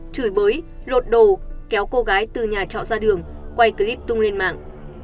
chửi bới lột đồ kéo cô gái từ nhà trọ ra đường quay clip tung lên mạng